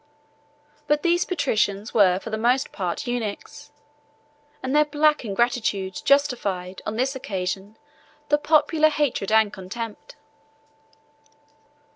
But these patricians were for the most part eunuchs; and their black ingratitude justified, on this occasion, the popular hatred and contempt.